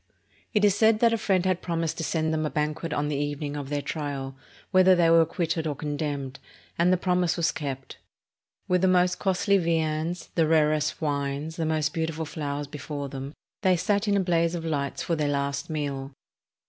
It is said that a friend had promised to send them a ban quet on the evening of their trial, whether they were acquit ted or condemned, and the promise was kept. With the most costly viands, the rarest wines, the most beautiful flowers before them, they sat in a blaze of lights for their last meal.